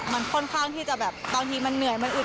มันต้องเฉยมันเหนื่อยมันอุดอัด